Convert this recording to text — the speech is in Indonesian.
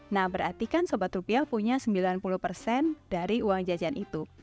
nah berarti kan sobat rupiah punya sembilan puluh persen dari uang jajan itu